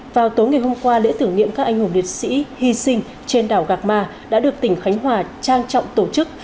vào tối ngày hôm qua lễ tưởng niệm các anh hùng liệt sĩ hy sinh trên đảo gạc ma đã được tỉnh khánh hòa trang trọng tổ chức